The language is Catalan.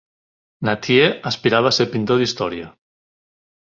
Nattier aspirava a ser pintor d'història.